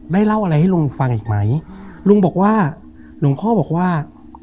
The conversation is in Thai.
เล่าอะไรให้ลุงฟังอีกไหมลุงบอกว่าหลวงพ่อบอกว่า